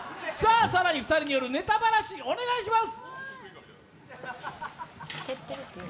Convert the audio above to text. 更に２人によるネタバラシお願いします。